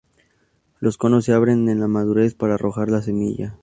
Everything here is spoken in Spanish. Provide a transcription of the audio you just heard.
Los conos se abren en la madurez para arrojar la semilla.